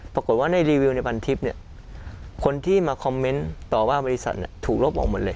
ปรากฏว่าในรีวิวในพันทิพย์เนี่ยคนที่มาคอมเมนต์ต่อว่าบริษัทถูกลบออกหมดเลย